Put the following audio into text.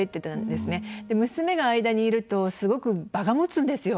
娘が間にいるとすごく場がもつんですよ。